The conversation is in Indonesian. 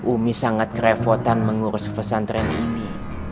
umi sangat kerepotan mengurus pesantren ini